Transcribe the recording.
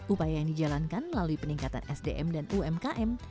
upaya yang dijalankan melalui peningkatan sdm dan umkm